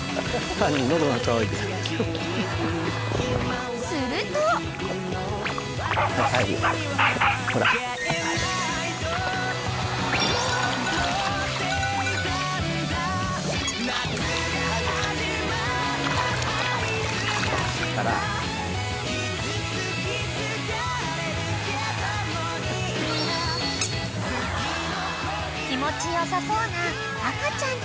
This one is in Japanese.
［気持ち良さそうな赤ちゃんたち］